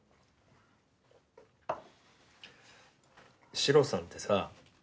シロさんってさ